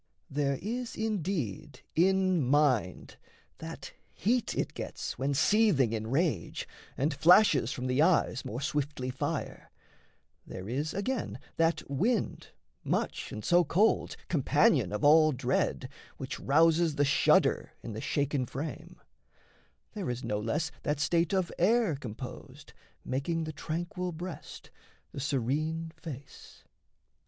There is indeed in mind that heat it gets When seething in rage, and flashes from the eyes More swiftly fire; there is, again, that wind, Much, and so cold, companion of all dread, Which rouses the shudder in the shaken frame; There is no less that state of air composed, Making the tranquil breast, the serene face.